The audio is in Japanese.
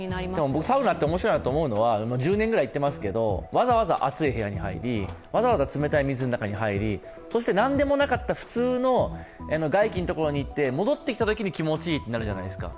僕、サウナって面白いなと思うのは、１０年ぐらい行っていますけど、わざわざ熱い部屋に入り、わざわざ冷たい水の中に入りそして何でもなかった普通の外気のところに行って戻ってきたときに気持ちいいとなるじゃないですか。